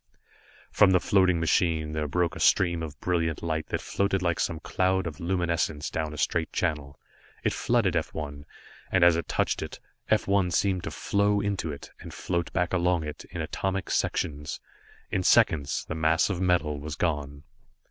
From the floating machine there broke a stream of brilliant light that floated like some cloud of luminescence down a straight channel. It flooded F 1, and as it touched it, F 1 seemed to flow into it, and float back along it, in atomic sections. In seconds the mass of metal was gone.